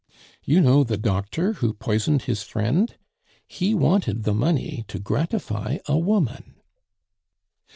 You know the doctor who poisoned his friend? He wanted the money to gratify a woman."